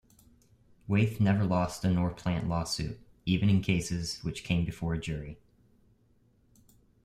Wyeth never lost a Norplant lawsuit, even in cases which came before a jury.